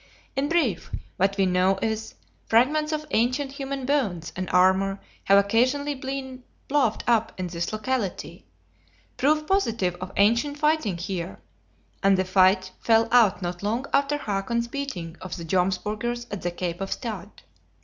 In brief, what we know is, fragments of ancient human bones and armor have occasionally been ploughed up in this locality, proof positive of ancient fighting here; and the fight fell out not long after Hakon's beating of the Jomsburgers at the Cape of Stad.